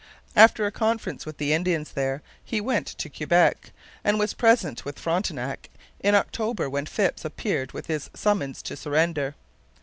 After a conference with the Indians there he went to Quebec, and was present with Frontenac in October when Phips appeared with his summons to surrender.